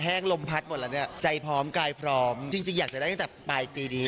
ลมพัดหมดแล้วเนี่ยใจพร้อมกายพร้อมจริงอยากจะได้ตั้งแต่ปลายปีนี้